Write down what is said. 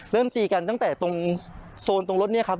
เริ่มตีกันตั้งแต่ตรงโซนตรงรถนี้ครับ